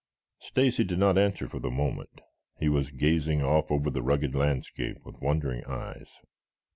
Stacy did not answer for the moment. He was gazing off over the rugged landscape with wondering eyes.